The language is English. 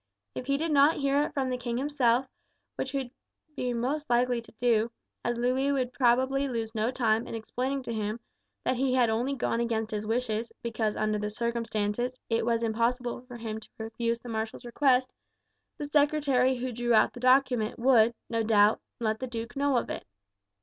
If he did not hear it from the king himself, which he would be most likely to do, as Louis would probably lose no time in explaining to him that he had only gone against his wishes because under the circumstances it was impossible for him to refuse the marshal's request, the secretary who drew out the document would, no doubt, let the duke know of it.